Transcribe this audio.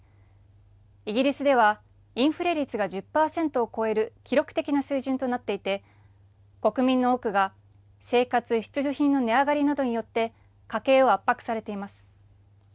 イギリスでは、インフレ率が１０％を超える記録的な水準となっていて、国民の多くが生活必需品の値上がりなどによって、家計を圧迫されています。